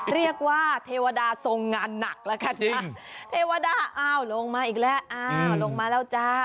เรียกว่าเทวดาทรงงานหนักแล้วกันจ้ะเทวดาอ้าวลงมาอีกแล้วอ้าวลงมาแล้วจ้า